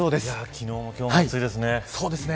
昨日も今日も暑いですね。